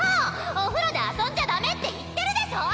お風呂で遊んじゃダメって言ってるでしょ！